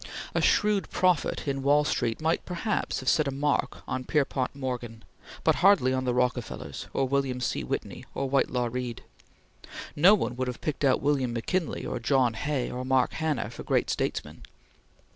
A shrewd prophet in Wall Street might perhaps have set a mark on Pierpont Morgan, but hardly on the Rockefellers or William C. Whitney or Whitelaw Reid. No one would have picked out William McKinley or John Hay or Mark Hanna for great statesmen.